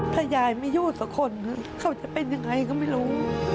ถ้ายายไม่อยู่สักคนเขาจะเป็นยังไงก็ไม่รู้